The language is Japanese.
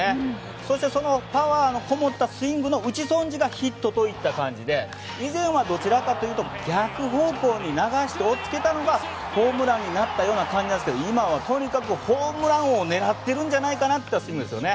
そしてそのパワーのこもったスイングの打ち損じがヒットという感じで以前はどちらかというと逆方向に流しておっつけたのがホームランになったような感じなんですが今はとにかくホームラン王を狙っているんじゃないかというスイングですね。